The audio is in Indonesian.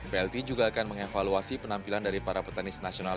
plt juga akan mengevaluasi penampilan dari para petenis nasional